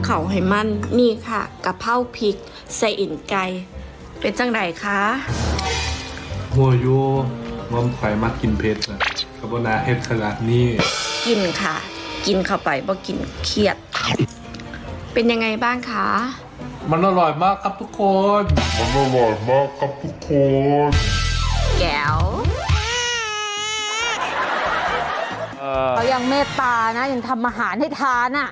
เขายังเมตตานะยังทำอาหารให้ทานอ่ะ